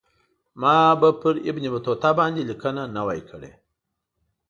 ما به پر ابن بطوطه باندې لیکنه نه وای کړې.